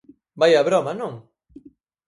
Vaia broma, ¿non?